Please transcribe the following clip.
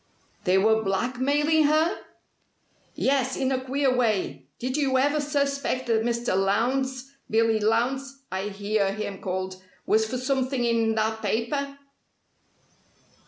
"They were blackmailing her?" "Yes, in a queer way. Did you ever suspect that Mr. Lowndes 'Billy Lowndes' I hear him called was for something in that paper?"